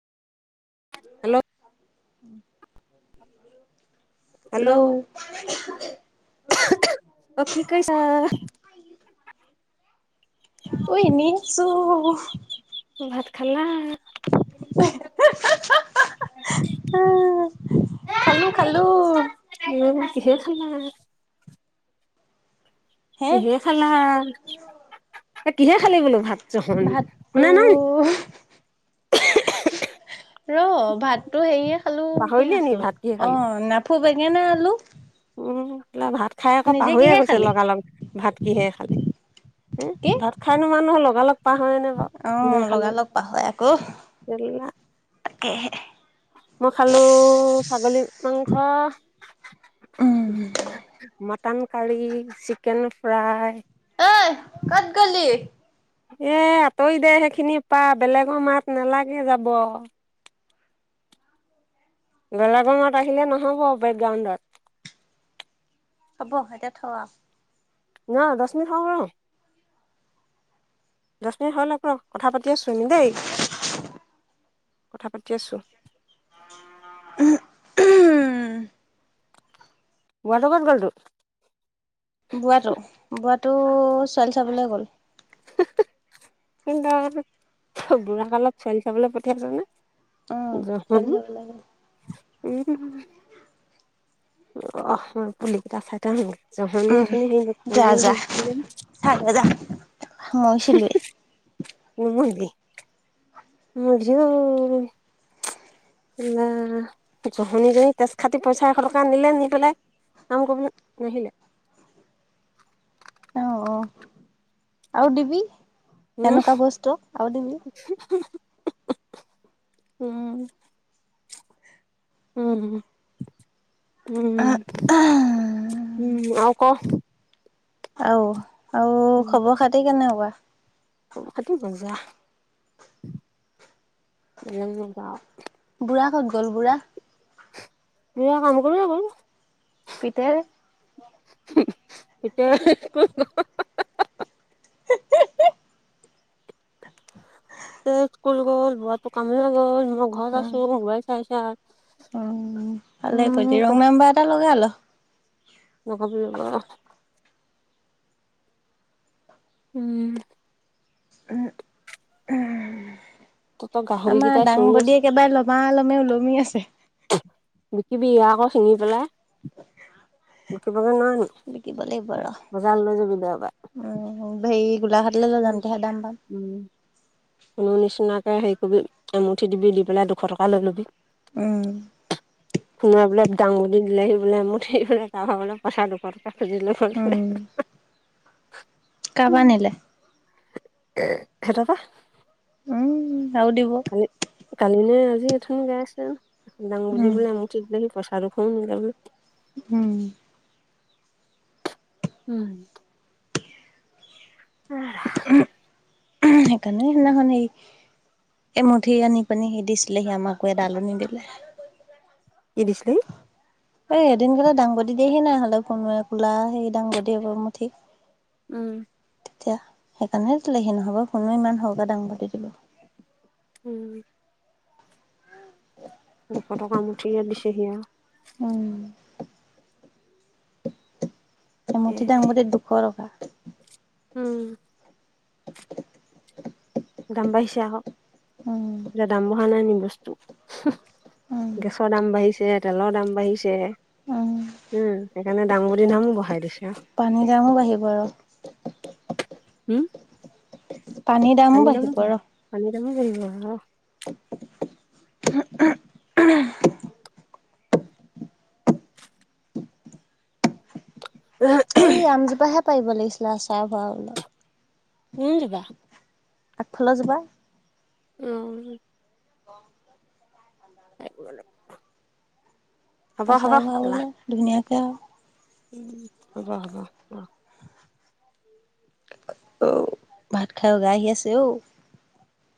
Hello um hello অ কি কৈছা ঐ নিচো ভাত খালা আহ খালো খালো কিহ সু সু হে কিহে খালা এ কিহে খালি বোলো ভাত জহনি ভাতটো শুনা নাই ৰ ভাততো সেয়া খালো কিহে পাহৰিলি নি খাইছিলো ভাত কিহে অ খালি নাফু বেক বেঙেনা আলু উম ভাত খাই আকৌ নিজে পাহৰিয়ে কিহে গৈছে খালি লগালগ ভাত কিহে খালি হ ভাত খাইনো মানুহ লগালগ পাহৰে নে বাৰু আহ কিহে খালো লগা লগ পাহৱে আক এ মই খালো ছাগলী মাংস মাটন কাৰী চিকেন ফ্ৰাই ঐ কত গলি এ আঁতৰি দে সেইখিনি পা বেলেগৰ মাত নালাগে যাব বেলেগৰ মাত আহিলে নহব বেকগ্ৰাউণ্ডত হ'ব এতিয়া থ ন দহ মিনিট হ ৰ দহ মিনিট হ ল ৰ কথা পাতি আছো আমি দেই কথা পাতি আছো লৱাটো কত গল তোৰ বোৱাটো বোৱাটো ছোৱালী চাবলৈ গ'ল কিন্তু বুঢ়া কালত ছোৱালী চাবলৈ পঠিয়াইচযে উম চলি যাব লাগে উম অ উম পুলি কেইটা চাইছনে হেৰিয়ে উম অথনি হে যা যা বিকিবলৈ সোমাইছিলি মুৰ্গী মুৰ্গীও জহনী জনী তেজ খাতি পইচা এশ টকানিলে নি পেলাই কাম কৰিব নাহিলে অ অ আৰু ডিবি উম এনেকুৱা বস্তু আৰু দিবি উ উ উম উম উম উম আৰু ক আঊ আৰু খবৰ খাতি কেনেকুৱা খবৰ খাতি মজা, [inaudible] বুঢ়া ক'ত গ'ল বুঢ়া বুঢ়া কাম কৰিব গল পিতেৰ। হ'ম এতিয়া ক হিহিহিহি স্কুল গ'ল বুঢ়াটো কামলৈ গ'ল ঘৰত উম। আছো মোবাইল চাই আ উম ভালে কৰিছ ত ৰং নাম্বাৰ এটা লগাই ল নকবি এইবোৰ উম উম তহঁতৰ উমমমম গাহৰি আমাৰ কেইটা চিঞৰি আছে। দাংবদীয়ে একেবাৰে লমা লমে ওলমি আছে নকবি আকৌ চিঙি পেলাই উ ঘৰত নাই নিকি বিকিব লাগিব ৰ। বজাৰ লৈ যাবি দেওবাৰ ভাই গোলাঘাটলৈ য যাওঁতেহে দাম পাম হেৰিকবি এমুঠি দিবি দি পেলাই দুশ টকা লৈ ল'বি উম সোনাই বোলে দাঙুলি দিলে সি দিলে এমুঠি সেই বোলে কাৰবাৰ লগত পঠা দুশ টকা [inaudible] কাৰপৰা নিলে এ হেই দাদা [inaudible] উম আৰু দিব। কালি কালিলে সি অথনি গাই আছে আৰু উম দাংবডি এমুঠিত হেনো আৰু খন মিলালো উম উম [unintelligible] সেইকাৰণে সেইদিনাখনি এমুঠি আনি পানি সি দিছিলেহি আমাকো এ দালনি দিলাই কি দিছিলি এই এদিন গলে দাংবদি দিয়েহি নাই হ'লেও কোনোৱে কোলা সেই দাংবদি হেয়ি এমুঠি উম তেতিয়া সেইকাৰণে দিলেহি নহ'ব কোনে ইমান সৰহকে ডাঙভতি দিব উম উ [inaudible] দুশ টকামুঠি ইয়াত দিছেহি আৰু উম এমুুঠি সেয়েহে। দাংবডিত দুশ টকা [inaudible] উম দাম বাঢ়িছে আহক উম, সেইফালে দাম বঢ়া নাই নি বস্তু উম, গেছৰ দাম বাঢ়িছে তেলৰ দাম বাঢ়িছে উম, উম সেইকাৰণে দাংবদী নামো বহাই দিছে আৰু পানীৰ দামো বাঢ়িব ৰ হ'ম পানীৰ দামো বাঢ়িব ৰ পানী দামো বাঢ়িব হেনো [unintelligible] এই আমজোপা হে পাৰিব লাগিছিলে আচাৰ ভৰাবলে কোন জেগা আগফাল জোপা উম অ [inaudible] পাৰিব লাগিব আছাৰ বনাবলৈ ধুনিয়াকে আৰু উম হ'ব হ'ব ৰহ ভাত খাই উগাই আহি আছে অঔ